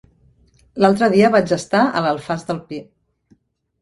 L'altre dia vaig estar a l'Alfàs del Pi.